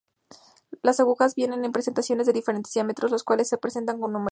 Las agujas vienen en presentaciones de diferentes diámetros, los cuales se representan con números.